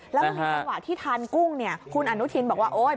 แล้วมันมีจังหวะที่ทานกุ้งเนี่ยคุณอนุทินบอกว่าโอ๊ย